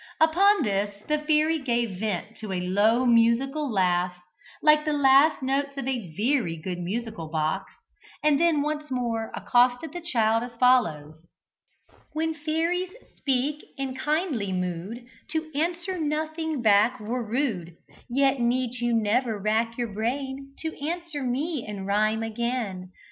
Upon this the fairy gave vent to a low, musical laugh, like the last notes of a very good musical box, and then once more accosted the child as follows: "When fairies speak in kindly mood, To answer nothing back were rude; Yet need you never rack your brain To answer me in rhyme again.